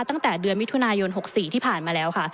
ตั้งแต่เดือนมิถุนายน๖๔ที่ผ่านมาแล้วค่ะ